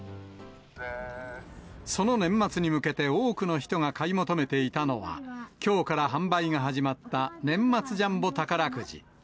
その年末に向けて多くの人が買い求めていたのは、きょうから販売が始まった年末ジャンボ宝くじ。